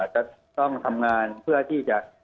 จะต้องทำงานเพื่อที่จะ